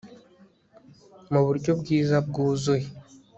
mu buryo bwiza bwuzuye